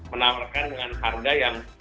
menawarkan dengan harga yang